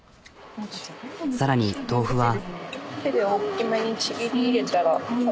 さらに豆腐は。